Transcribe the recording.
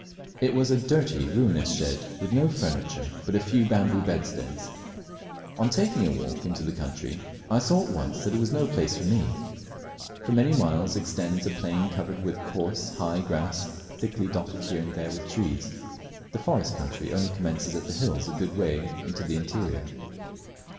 It was a dirty ruinous shed, with no furniture but a few bamboo bedsteads. On taking a walk into the country, I saw at once that it was no place for me. For many miles extends a plain covered with coarse high grass, thickly dotted here and there with trees, the forest country only commencing at the hills a good way in the interior.